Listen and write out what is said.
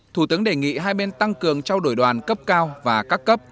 thủ tướng đề nghị hai bên tăng cường trao đổi đoàn cấp cao và các cấp